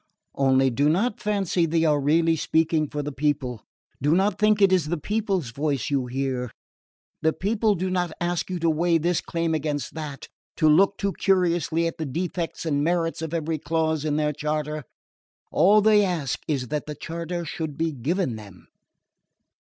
Only do not fancy they are really speaking for the people. Do not think it is the people's voice you hear. The people do not ask you to weigh this claim against that, to look too curiously into the defects and merits of every clause in their charter. All they ask is that the charter should be given them!"